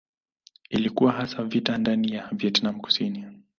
Ilikuwa hasa vita ndani ya Vietnam Kusini.